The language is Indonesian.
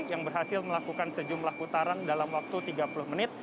yang berhasil melakukan sejumlah putaran dalam waktu tiga puluh menit